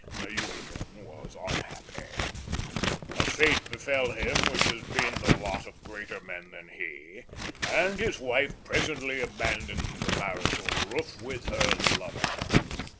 The union was unhappy. A fate befell him which has been the lot of greater men than he, and his wife presently abandoned the marital roof with her lover.